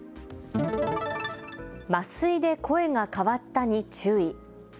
麻酔で声が変わったに注意。